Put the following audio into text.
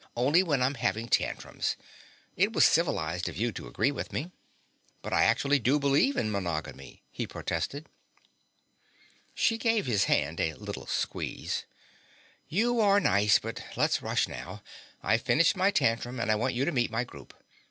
"Only when I'm having tantrums. It was civilized of you to agree with me." "But I actually do believe in monogamy," he protested. She gave his hand a little squeeze. "You are nice, but let's rush now. I've finished my tantrum and I want you to meet my group.